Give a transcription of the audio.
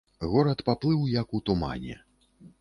Горад паплыў як у тумане.